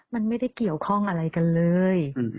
มันไม่ได้เกี่ยวข้องอะไรกันเลย